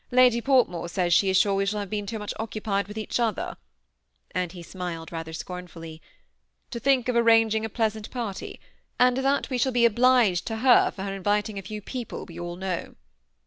Lady Portmore says she is sure we shall have been too much occupied with each other" — and he smiled rather scornfully — "to think of arranging a pleasant party, and that we shall be obliged to her for inviting a few people we all know."